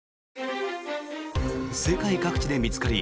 世界各地で見つかり